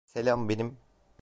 Selam, benim.